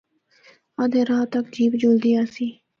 ادھا راہ تک جیپ جُلدی آسی۔